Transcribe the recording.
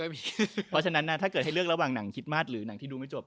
เพราะฉะนั้นถ้าเกิดให้เลือกระหว่างหนังคิดมากหรือหนังที่ดูไม่จบ